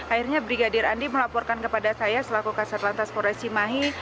akhirnya brigadir andi melaporkan kepada saya selaku kasat lantas polres cimahi